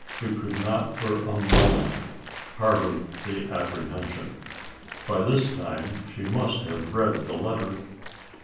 We could not for a moment harbour the apprehension. By this time she must have read the letter?